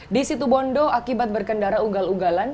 di situ bondo akibat berkendara unggal unggalan